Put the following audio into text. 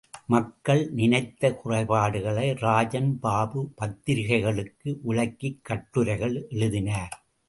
மக்கள் நினைத்த குறைபாடுகளை, ராஜன் பாபு பத்திரிக்கைகளுக்கு விளக்கிக் கட்டுரைகள் எழுதினார்.